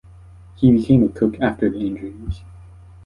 He became a cook after the injuries.